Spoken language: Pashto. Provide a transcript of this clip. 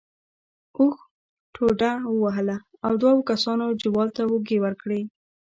اوښ ټوډه ووهله او دوو کسانو جوال ته اوږې ورکړې.